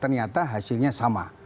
ternyata hasilnya sama